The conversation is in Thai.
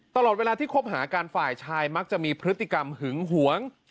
ตลอดเวลาที่คบหากันฝ่ายชายมักจะมีพฤติกรรมหึงหวง